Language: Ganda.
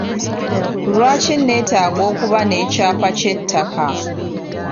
Lwaki neetaaga okuba n'ekyapa ky'ettaka?